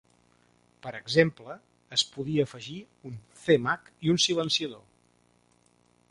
Per exemple, es podia afegir un C-mag i un silenciador.